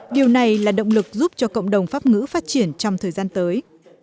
điều này là động lực giúp cho cộng đồng pháp ngữ phát triển trong thời gian tới